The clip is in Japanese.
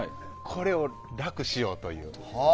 これを楽しようという。